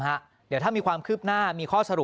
เดี๋ยวถ้ามีความคืบหน้ามีข้อสรุป